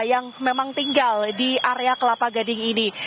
yang memang tinggal di area kelapa gading ini